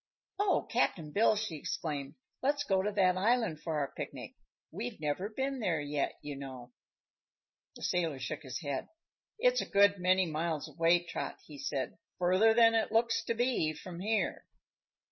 "Oh, Cap'n Bill!" she exclaimed, "let's go to that island for our picnic. We've never been there yet, you know." The sailor shook his head. "It's a good many miles away, Trot," he said; "further than it looks to be, from here."